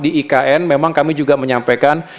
di ikn memang kami juga menyampaikan